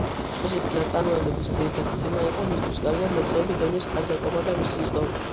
მისი ნაწარმოებების ძირითადი თემა იყო მისთვის კარგად ნაცნობი დონის კაზაკობა და მისი ისტორია.